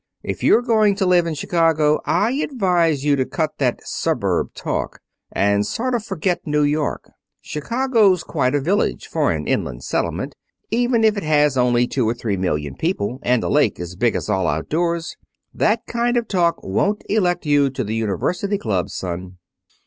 If you're going to live in Chicago I advise you to cut that suburb talk, and sort of forget New York. Chicago's quite a village, for an inland settlement, even if it has only two or three million people, and a lake as big as all outdoors. That kind of talk won't elect you to the University Club, son."